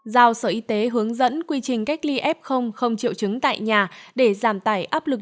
giao sở y tế hướng dẫn quy trình cách ly f không triệu chứng tại nhà để giảm tải áp lực